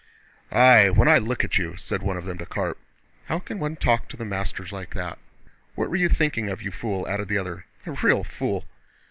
"Aye, when I look at you!..." said one of them to Karp. "How can one talk to the masters like that? What were you thinking of, you fool?" added the other—"A real fool!"